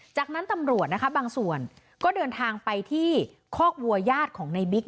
จากนั้นตำรวจนะคะบางส่วนก็เดินทางไปที่คอกวัวญาติของในบิ๊ก